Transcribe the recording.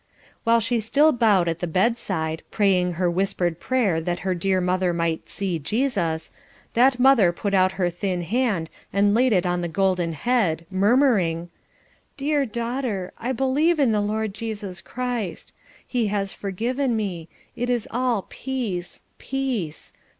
While she still bowed at the bedside, praying her whispered prayer that her dear mother might "see Jesus," that mother put out her thin hand and laid it on the golden head, murmuring: "Dear daughter, I believe in the Lord Jesus Christ; He has forgiven me. It is all peace, peace.